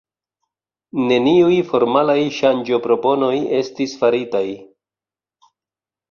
Neniuj formalaj ŝanĝoproponoj estis faritaj.